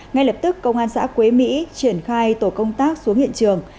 ngay lập tức công an xã quế mỹ triển khai tổ công tác xuống hiện trường